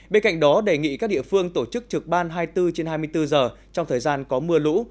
bên cạnh đó đề nghị các địa phương tổ chức trực ban hai mươi bốn trên hai mươi bốn giờ trong thời gian có mưa lũ